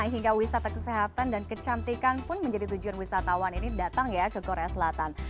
hingga wisata kesehatan dan kecantikan pun menjadi tujuan wisatawan ini datang ya ke korea selatan